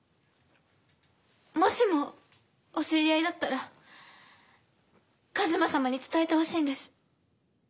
もしもお知り合いだったら一馬様に伝えてほしいんです。